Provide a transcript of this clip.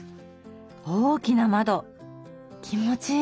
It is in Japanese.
大きな窓気持ちいい！